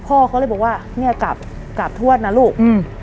พ่อก็เลยบอกว่าเนี่ยกราบทวชนะลูก